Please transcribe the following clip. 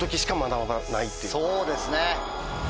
そうですね。